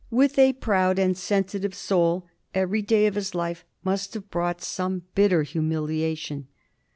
With a proud and sensitive soul, every day of his life must have brought some bitter humiliation.